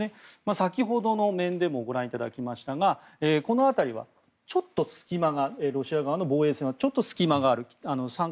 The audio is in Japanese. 先ほどの面でもご覧いただきましたがこの辺りはちょっと隙間がロシア側の防衛線はちょっと隙間がある。